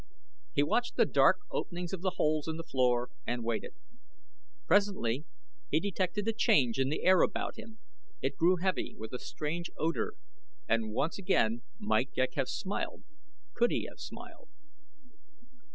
He watched the dark openings of the holes in the floor and waited. Presently he detected a change in the air about him it grew heavy with a strange odor, and once again might Ghek have smiled, could he have smiled.